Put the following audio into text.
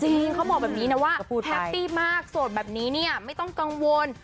เขาบอกแบบนี้นะว่าแฮปปี้มากโสดแบบนี้เนี่ยไม่ต้องกังวล